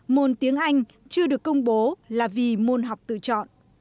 môn tiếng anh chưa được công bố là vì môn học tự chọn